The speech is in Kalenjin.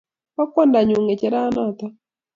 Bo kwandanyu ngecheranoto